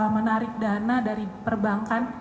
menarik dana dari perbankan